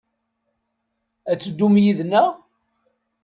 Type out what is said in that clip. Ad teddum yid-nteɣ?